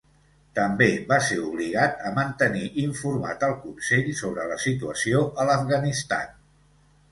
També va ser obligat a mantenir informat al Consell sobre la situació a l'Afganistan.